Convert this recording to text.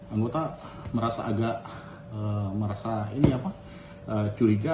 anggota merasa agak merasa curiga